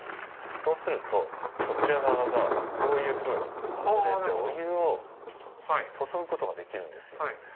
そうするとこちら側がこういうふうに外れてお湯を注ぐことができるんですよ。